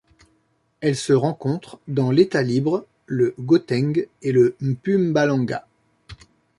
Elle se rencontre dans l'État-Libre, le Gauteng et le Mpumalanga.